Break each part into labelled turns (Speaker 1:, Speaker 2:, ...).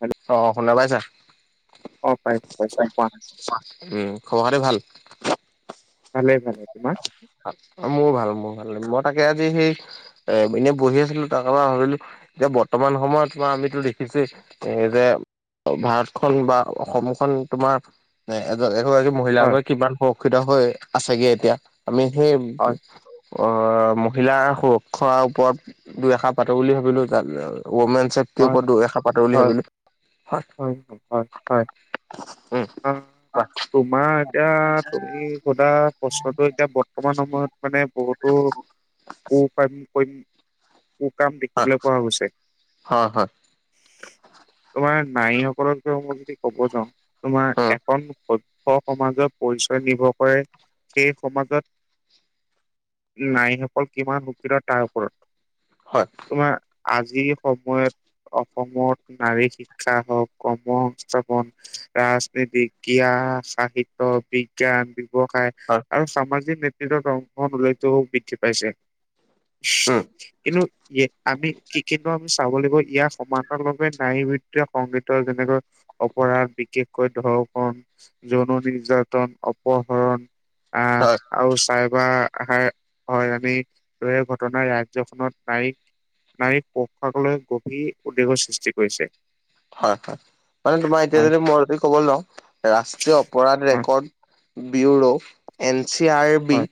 Speaker 1: Hello
Speaker 2: অ শুনা পাইছা?
Speaker 1: অ পাইছো পাইছো কোৱা
Speaker 2: উম খবৰ - খাতি ভাল?
Speaker 1: ভালে ভালে, তোমাৰ?
Speaker 2: মোৰ ভাল মোৰ ভাল, মই তাকে আজি সেই এ এনে বহি আছিলো তাৰ পৰা ভাবিলো এতিয়া বৰ্তমান সময়ত বা আমিতো দেখিছো এ যে ভাৰতখন বা অসমখন তোমাৰ এজ এগৰাকী মহিলা
Speaker 1: হয়
Speaker 2: গৈ কিমান সুৰক্ষিত হৈ আছেগে এতিয়া আমি সেই
Speaker 1: হয়
Speaker 2: অহ মহিলাৰ সুৰক্ষাৰ ওপৰত দুই এষাৰ পাতৰ বুলি ভাবিলো যা [inaudible] ৱমেন ছেফটিৰ
Speaker 1: হয়
Speaker 2: ওপৰত দুই এষাৰ পাটো বুলি
Speaker 1: হয়
Speaker 2: ভাবিলো।
Speaker 1: হয় হয়, হয়।
Speaker 2: উম
Speaker 1: অ,
Speaker 2: হয়
Speaker 1: তোমাৰ এতিয়া তুমি সোধা বছৰটো এতিয়া বৰ্তমান সময়ত মানে বহুতো কৰ পৰা কৰিম কু কাম দেখিবলৈ পোৱা গৈছে।
Speaker 2: হয় হয়
Speaker 1: তোমাৰ নাৰীসকলৰ বিষয়ে মই যদি কব যাওঁ, তোমাৰ
Speaker 2: উম
Speaker 1: এখন স স সমাজৰ পৰিচয় নিৰ্ভৰ কৰে সেই সমাজত নাৰীসকল কিমান উু [inaudible] ক তাৰ ওপৰত।
Speaker 2: হয়।
Speaker 1: তোমাৰ আজি শব সময়ত অসমত নাৰী শিক্ষা হওক, কৰ্ম সংস্থাপন ৰাজনীতি, জ্ঞান, সাহিত্য বি জ্ঞান, ব্যৱসায়
Speaker 2: হয়
Speaker 1: আৰু সামাজিক নেতৃত্বত অংশ লৈতো বৃদ্ধি পাইছে।
Speaker 2: উম।
Speaker 1: কিন্তু এ আমি কি কিনোৱা চাব লাগিব ইয়াৰ সমান্তৰভাৱে নাৰীবৃত্ত সংগীত যেনেকৈ অপৰাধ বিশেষকৈ ধৰ্ষণ, যৌন নিৰ্যাতন অপহৰণ
Speaker 2: হয়
Speaker 1: আছ আৰু চাইবাৰ আহাৰ হয়ৰাণী ঘটনাই ৰাজ্যখনত প্ৰায়য়ে নাৰীক পোখাকলৈ গভীৰ উদ্বেগৰ সৃষ্টি কৰিছে
Speaker 2: হয় হয় মানে তোমাৰ এতিয়া
Speaker 1: হয়,
Speaker 2: যদি মই যদি কব লওঁ ৰাষ্ট্ৰীয় অপৰাধ
Speaker 1: হয়,
Speaker 2: ৰেকৰ্ড বিৱৰৌ এন চি আৰ বি
Speaker 1: হয়,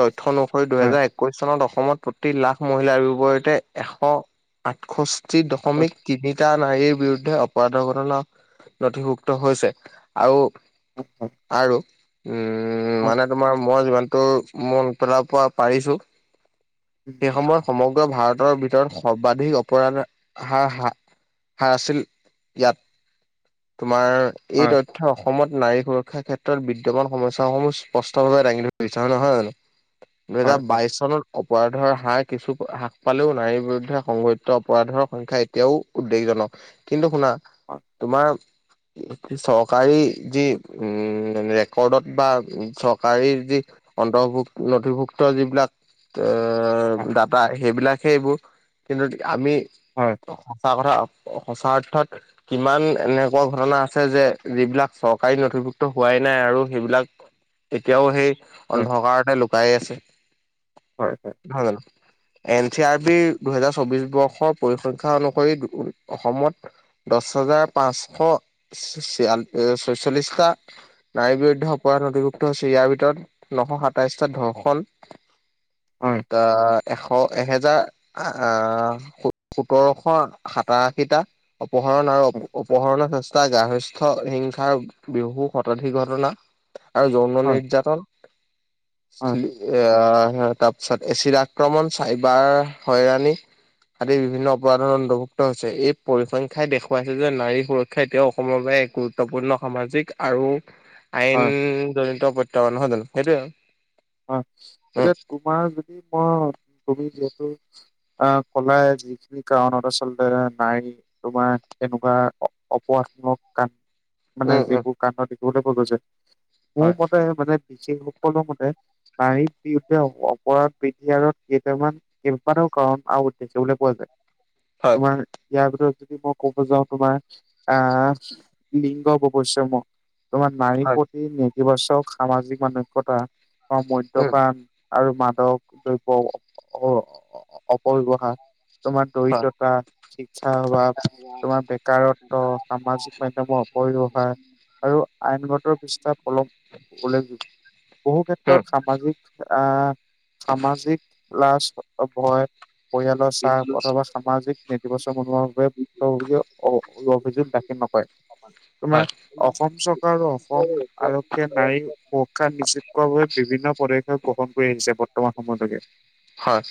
Speaker 2: তথ্য অনুসৰি
Speaker 1: হয়,
Speaker 2: দুহেজাৰ একৈশ চনত অসমত প্ৰ লাখ মহিলাৰ বিপৰীতে এশ আঠষষ্ঠি
Speaker 1: হয়,
Speaker 2: দশমিক তিনিটা নাৰীৰ বিৰুদ্ধে অপৰাধৰ ঘটনা নথিভুক্ত হৈছে আৰু
Speaker 1: হয়,
Speaker 2: আৰু উম
Speaker 1: হয়,
Speaker 2: মানে তোমাৰ মই যিমানটো মনত পেলাব পৰা পাৰিছো
Speaker 1: উম,
Speaker 2: সেই সময়ত সমগ্ৰ ভাৰতৰ ভিতৰত সৰ্বাধিক অপৰাধ হাৰ হা হাৰ আছিল ইয়াত তোমাৰ এই
Speaker 1: হয়,
Speaker 2: তথ থ্য অসমত নাৰী সুৰক্ষাৰ ক্ষেত্ৰত বিদ্যমান সমস্যাসমূহ স্পষ্ট ভাৱে দাঙি ধৰিছে হয় নহয় জানো
Speaker 1: হয়,
Speaker 2: দুহেজাৰ
Speaker 1: হয়,
Speaker 2: বাইশ চনত অপৰাধৰ হাৰ কিছু হ্ৰাস পালেও নাৰীৰ বিৰুদ্ধে সংঘটিত অপৰাধৰ সংখ্যা এতিয়াও উদ্বেগজনক কিন্তু শুনা
Speaker 1: হয়,
Speaker 2: তোমাৰ চৰকাৰী যি উম ৰেকৰ্ডত বা চৰকাৰী যি অন্তৰ্ভুক্ত নথিভুক্ত যিবিলাক
Speaker 1: হয়,
Speaker 2: এ ডাটা সেইবিলাকহে এইবোৰ কিন্তু আমি
Speaker 1: হয়, হয়,
Speaker 2: সঁচা কথা সঁচা অৰ্থত কিমান এনেকুৱা ঘটনা আছে যে যিবিলাক চৰকাৰী নথিভুক্ত হোৱাই নাই আৰু সেইবিলাক এতিয়াও সেই
Speaker 1: হয়,
Speaker 2: অন্ধকাৰতে লুকাই আছে
Speaker 1: হয় হয়
Speaker 2: নহয় জানো এন চি আৰ বি দুহেজাৰ চৌবিশ বৰ্ষৰ পৰিসংখ্যা অনুসৰি অসমত দছ হাজাৰ পাঁচশ চি চিয়ান ছয়চল্লিশটা নাৰীৰ বিৰুদ্ধে অপৰাধ নধিভুক্ত হৈছে ইয়াৰ ভিতৰত নশ সাতাইশটা ধৰ্ষণ
Speaker 1: হয়,
Speaker 2: আহ এশ এহেজাৰ আহ আ সো সোতৰশ সাত তাৰ আশীটা অপহৰণ আৰু উপহৰণৰ চেচ এটা গ্ৰাহথস্থ হিংসাৰ বিহু শতাধিক ঘটনা আৰু যৌন
Speaker 1: হয়,
Speaker 2: নিৰ্যাতন
Speaker 1: হয়,
Speaker 2: চি আহ হ তাত চে এচিড আক্ৰমণ চাইবাৰ হয়ৰাণী আদি বিভিন্ন অপৰাধৰ অন্তৰ্ভুক্ত কৰা হৈছে এই পৰিসংখ্যাই দেখুৱাইছে যে নাৰী সুৰক্ষা এতিয়াও অসমৰ বাবে এক গুৰুত্বপূৰ্ণ সামাজিক আৰু
Speaker 1: হয়,
Speaker 2: আইনজনিত প্ৰত্যাহ্বান নহয় নাই সেইটোৱেই
Speaker 1: অ এতিয়া তোমাৰ যদি মই তুমি যিহেতু অ কলাই যিখিনি কাৰণত আচলতে নাৰী তোমাৰ এনেকুৱা অ অপৰাধমুলক কাম মানে
Speaker 2: উম উম
Speaker 1: যিবোৰ কাণ্ড দেখিবলৈ পোৱা গৈছে মোৰ
Speaker 2: হয়
Speaker 1: মতে মানে বিশেষ সকলো মতে নাৰী বিৰুদ্ধে অ অপৰাধ বিদ্যালত কেইটামান কাৰণ আৰু দেখিবলে পোৱা যায়
Speaker 2: হয়
Speaker 1: তোমাৰ ইয়াৰ ভিতৰত যদি মই ক'ব যাওঁ তোমাৰ আহ লিংগ ব ৱৈচ্যম তোমাৰ নাৰীৰ
Speaker 2: হয়
Speaker 1: প্ৰতি নেতিবাচক সামাজিক মানস্যতা বা
Speaker 2: উম
Speaker 1: মদ্যপান আৰু মাদক দ্ৰব্য অ অ অ অপব্যৱহাৰ তোমাৰ
Speaker 2: হয়
Speaker 1: দৰিদ্ৰতা শিক্ষা অভাৱ তোমাৰ বেকাৰত্ব সামাজিক
Speaker 2: [unintelligible]
Speaker 1: আইনগতৰ পৃষ্ঠাত ফলম উল্লেখযোগ্য বহু
Speaker 2: উম
Speaker 1: ক্ষেত্ৰত সামাজিক আহ সামাজিক লাজ ভয় পৰিয়ালৰ চাপ, অথবা সামাজিক নেতিবাচন মনোভাৱ বোৰে - স্বগৃহ অভিযোগ দাখিল নকৰে।
Speaker 2: হয়
Speaker 1: তোমাৰ অসম চৰকাৰ আৰু অসম আৰক্ষীয়ে নাৰীৰ সুৰক্ষা নিশ্চিত কৰাৰ বাবে - বিভিন্ন পদক্ষেপ গ্ৰহণ কৰি আহিছে বৰ্তমান সময়লৈকে।
Speaker 2: হয়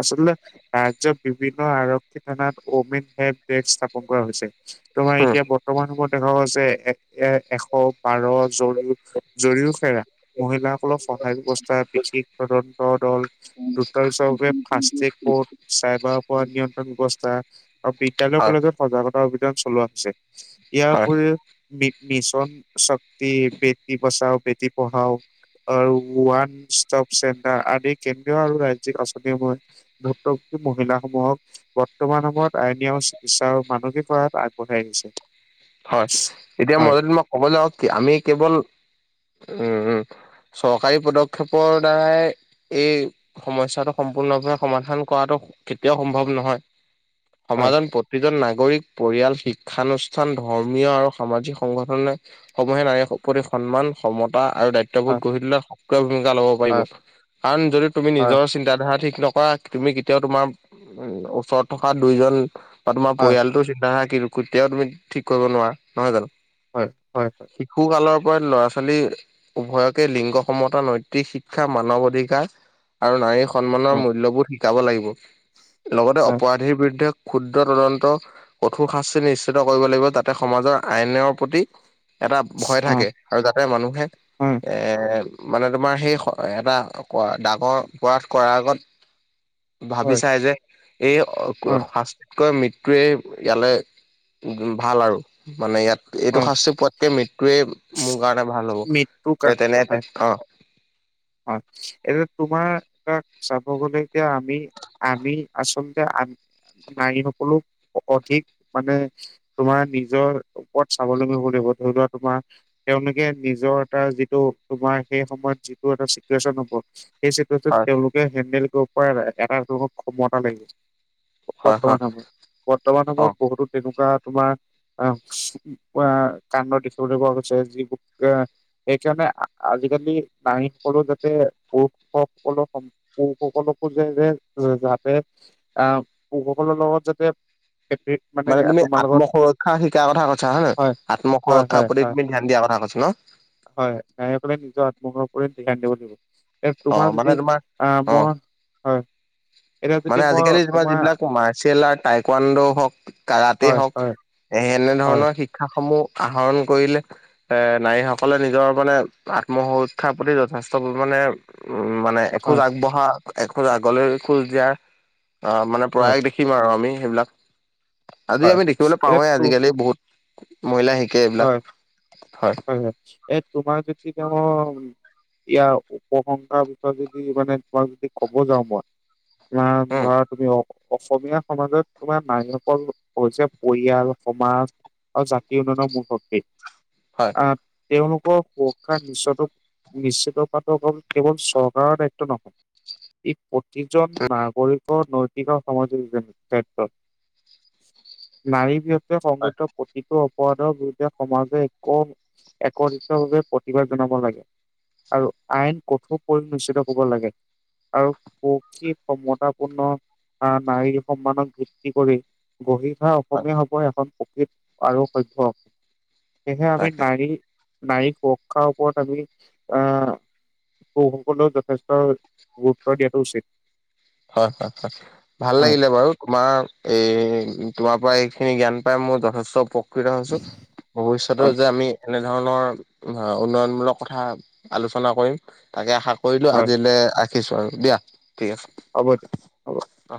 Speaker 1: আচলতে ৰাজ্যৰ বিভিন্ন আৰক্ষী থানাত অমেন হেল্প ডেক স্থাপন কৰা হৈছে। তোমাৰ
Speaker 2: উম
Speaker 1: এতিয়া ব- বৰ্তমান সমূয়ত দেখা গৈছে এ এ এশ বাৰ জও জৰিও খেৰা। ফলত সহায় ব্যৱস্থা বেছিক তদন্ত দল - দ্ৰুত বিচাৰৰ বাবে ফাষ্টেক কৰ্ড চাইবাৰ পৰা নিয়ন্ত্ৰণ ব্যৱস্থা - আৰু বিদ্যালয়
Speaker 2: হয়
Speaker 1: কলেজত - সজাগতা অভিযান চলোৱা হৈছে। ইয়াৰ
Speaker 2: হয়
Speaker 1: উপৰিও মিছন - বেটি বেটি বচাও বেটি পঢ়াও। আৰু ওৱান ষ্টপ চেণ্টাৰ আদি কেন্দ্ৰীয় আৰু ৰাজ্যিক আঁচনিসমূহ - ভুক্তভোগী মহিলাসমূহক - বৰ্তমান সময়ত আইনী চিকিৎসা মানসিক সহায়ত আগবঢ়াই আনিছে।
Speaker 2: হয়, এতিয়া মই যদি তোমাক কব যাওঁ কি আমি কেৱল উম উম - চৰকাৰী পদক্ষেপৰ দ্বাৰাই - এই সমস্যাটো সম্পূৰ্ণভাৱে সমাধান কৰাটো কেতিয়াও সম্ভৱ নহয়।
Speaker 1: হয়,
Speaker 2: সমাজত প্ৰতিজন নাগৰিক পৰিয়াল শিক্ষানুষ্ঠা - ষ্ঠান, ধৰ্মীয় আৰু সামাজিক সংগঠনে সমূহে নাৰীৰ উপদেশ, সন্মান, সমতা আৰু দায়িত্ব -
Speaker 1: হয়,
Speaker 2: দাত্ববোধ গঢ়ি তোলা সক্ৰিয় ভূমিকা ল'ব পাৰিব,
Speaker 1: হয়,
Speaker 2: কাৰণ যদি তুমি
Speaker 1: হয়,
Speaker 2: নিজৰ চিন্তাধাৰা ঠিক নকৰা - তুমি কেতিয়াও তোমাৰ উ ওচৰত থকা দুইজন বা তোমাৰ
Speaker 1: হয়,
Speaker 2: পৰিয়ালটো চিন্তাধাৰা কি - কেতিয়াও তুমি ঠিক কৰিব নোৱাৰা নহয় জানো।
Speaker 1: হয়, হয়, হয়।
Speaker 2: শিশু কালৰ পৰা ল'ৰা-ছোৱালী - উভয়কে লিংগ সমতা নৈতিক শিক্ষা মানৱ অধিকাৰ আৰু নাৰী- সন্মানৰ
Speaker 1: হয়,
Speaker 2: মূল্যবোধ শিকাব লাগিব। লগতে
Speaker 1: হয়,
Speaker 2: অপৰাধীৰ বিৰুদ্ধে - ক্ষুদ্ৰ তদন্ত কঠোৰ শাস্তি নিশ্চিত কৰিব লাগিব যাতে সমাজৰ আইনৰ প্ৰতি - এটা ভয়
Speaker 1: হয়,
Speaker 2: থাকে আৰু যাতে মানুহে -
Speaker 1: হয়,
Speaker 2: এ মানে তোমাৰ সেই এটা ডাঙৰ অপৰাধ কৰাৰ আগত - [unintelligible] ভাবি
Speaker 1: হয়,
Speaker 2: চাই যে এই
Speaker 1: হয়,
Speaker 2: শাস্তিতকৈ মৃত্যুৱে ইয়ালে- ভাল আৰু মানে ইয়াত - এইটো
Speaker 1: হয়,
Speaker 2: শাস্তি পোৱাতকে মৃত্যুয়ে মোৰ কাৰণে ভাল হ'ব।
Speaker 1: মৃত্যু কা
Speaker 2: এ
Speaker 1: হয়।
Speaker 2: তেনেকে অ।
Speaker 1: হয় এতিয়া তোমাৰ এটা চাব গলে এতিয়া আমি - আমি আচলতে আ নাৰী সকলো অধিক মানে - তোমাৰ নিজৰ ওপৰত স্বাৱলম্বী হ'ব লাগিব, ধৰি লোৱা তোমাৰ - তেওঁলোকে নিজৰ এটা যিটো তোমাৰ সেই সময়ত যি - যি এটা চিটিউশ্যন হ'ব, সেই চিটিউশ্যন
Speaker 2: হয়
Speaker 1: তেওঁলোক - লোকে হেণ্ডেল কৰিব এটাত ক্ষমতা লাগিব।
Speaker 2: হয়
Speaker 1: বৰ্তমান
Speaker 2: হয়
Speaker 1: সময়ত। বৰ্তমান
Speaker 2: অ
Speaker 1: সময়ত বহুতো তেনেকুৱা তোমাৰ আহ - অ কাণ্ড দেখিবলৈ পোৱা গৈছে, যিবোৰ এ সেইকাৰণে আজিকালি - নাৰী সকলৰ যাতে পুৰুষ সকলৰ সমান - পুৰুষ সকলকো যে যে যাতে - আহ পুৰুষসকলৰ লগত যাতে থাকি -
Speaker 2: মানে তুমি আত্ম সুৰক্ষা শিকাৰ কথা কথা হয়নে?
Speaker 1: হয়
Speaker 2: আত্ম
Speaker 1: হয়
Speaker 2: সুৰক্ষাৰ
Speaker 1: হয়
Speaker 2: প্ৰতি
Speaker 1: হয়
Speaker 2: তুমি ধ্যান দিয়াৰ কথা কৈছা ন?
Speaker 1: হয় নায়ীসকলে নিজৰ আত্মৰ ওপ ধ্যান দিব লাগিব। এ
Speaker 2: অ
Speaker 1: তোমাৰ
Speaker 2: মানে
Speaker 1: যদি আ
Speaker 2: অ
Speaker 1: মই হয়। এতিয়া যদি
Speaker 2: মানে
Speaker 1: মই
Speaker 2: আজিকালি তোমাৰ যিবিলাক মাৰ্চিয়েল আৰ্ট টাইকানণ্ডো হওঁক কাৰাতে
Speaker 1: হয়
Speaker 2: হওঁক
Speaker 1: হয়
Speaker 2: এ
Speaker 1: হয়
Speaker 2: সেনেধৰণৰ শিক্ষা সমূহ আহৰণ কৰিলে এৰ নাৰীসকলে নিজৰ মানে আত্মসুৰক্ষাৰ প্ৰতি যথেষ্ট পৰিমাানে উম, মানে
Speaker 1: হয়
Speaker 2: এখোজ আগবঢ়া এখোজ আগলৈ খোজ দিয়াৰ আহ মানে
Speaker 1: হয়
Speaker 2: প্ৰয়াস দেখিম আৰু আমি। সেইবিলাক আজি
Speaker 1: হয়
Speaker 2: আমি দেখিবলৈ
Speaker 1: এতিয়া
Speaker 2: পাওঁৱে
Speaker 1: তো
Speaker 2: আজিকালি বহুত মহিলা শিক
Speaker 1: হয়, হয়, হয় এই তোমাৰ যদি তেওঁ ইয়াৰ উপশংসকাৰ বিষয়ে যদি মানে তোমাক যদি ক'ব যাওঁ মই তোমাৰ
Speaker 2: উম
Speaker 1: ধৰা তুমি অ অসমীয়া সমাজত তোমাৰ নাৰীসকল হৈছে পৰিয়াল, সমাজ আৰু জাতি উন্নয়নৰ মূল শক্তি।
Speaker 2: হয়
Speaker 1: আহ তেওঁলোকৰ সুৰক্ষা নিশ্চ নিশ্চিতপাত কেৱল চৰকাৰৰ দায়িত্ব নহয়। ই প্ৰতিজন নাগৰিকৰ নৈতিক আৰু সামাজিক ক্ষেত্ৰত নাৰী বি
Speaker 2: হয়
Speaker 1: সংঘিত প্ৰতিটো অপৰাধৰ বিৰুদ্ধে সমাজে একো একতিতভাৱে কিবা জনাব লাগে, আৰু আইন কঠোৰ পৰি নিশিত কৰিব লাগে। আৰু সখী সম্ষতাপূৰ্ণ আহ নাৰীৰ সন্মানক ভিত্তি কৰি গ়িষা
Speaker 2: হয়
Speaker 1: অসমীয়া হব এখন প্ৰকৃত আৰু সভ্য অসম। সেয়েহে আমি
Speaker 2: তাকে
Speaker 1: নাৰী নাৰী সুৰক্ষাৰ ওপৰত আমি আহ পুৰুষ সকলেও যথেষ্ট গুৰুত্ব দিয়াটো উচিত।
Speaker 2: হয়, হয়, হয়। ভাল
Speaker 1: হয়
Speaker 2: লাগিলে বাৰু, তোমাৰ এই তোমাৰ পৰা এইখিনি জ্ঞান পাই মোৰ যথেষ্ট কৰি থকে হৈছে, ভৱিষ্যতেও
Speaker 1: হয়
Speaker 2: যে আমি এনেধৰণৰ উন্নয়নমূলক কথা আলোচনা কৰিম। তাকে আশা কৰিলো,
Speaker 1: হয়
Speaker 2: আজিলৈ ৰাখিছো আৰু দিয়া, ঠিক আছে।
Speaker 1: হ'ব দিয়া।
Speaker 2: অ'।